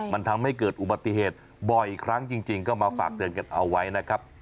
มันทำให้เกิดอุบัติเหตุบ่อยครั้งจริงก็มาฝากเตือนกันเอาไว้นะครับ